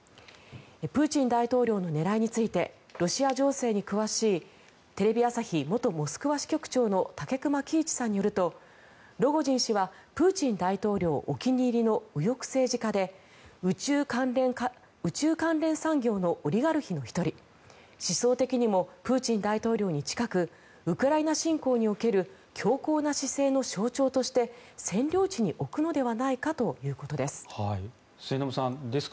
プーチン大統領の狙いについてロシア情勢に詳しいテレビ朝日元モスクワ支局長の武隈喜一さんによるとロゴジン氏はプーチン大統領お気に入りの右翼政治家で宇宙関連産業のオリガルヒの１人思想的にもプーチン大統領に近くウクライナ侵攻における強硬な姿勢の象徴として占領地に置くのではないかということです。